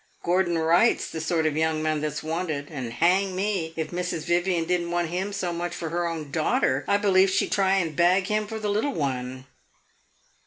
Gordon Wright's the sort of young man that 's wanted, and, hang me, if Mrs. Vivian did n't want him so much for her own daughter, I believe she 'd try and bag him for the little one.